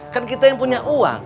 kan kita yang punya uang